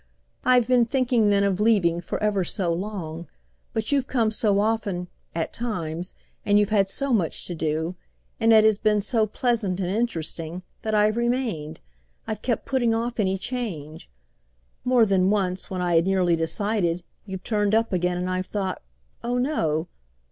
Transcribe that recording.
I've been thinking then of leaving for ever so long. But you've come so often—at times—and you've had so much to do, and it has been so pleasant and interesting, that I've remained, I've kept putting off any change. More than once, when I had nearly decided, you've turned up again and I've thought 'Oh no!